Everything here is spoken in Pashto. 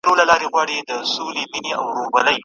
ږغ به د آذان نه وي ته به یې او زه به یم